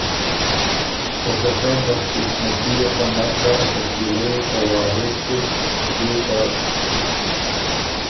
او که سَۀ بدقسمتي يې خه نک بۀ شکیلۀ يې ته وارث سُک، کيې که